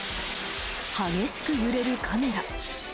激しく揺れるカメラ。